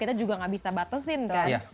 kita juga gak bisa batasin kan